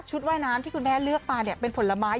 ว่ายน้ำที่คุณแม่เลือกมาเนี่ยเป็นผลไม้